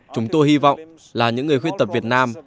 chúng tôi hy vọng là những người khuyên tập việt nam